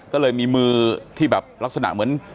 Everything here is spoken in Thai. ก็เลยมีมือที่แบบลักษณะเหมือน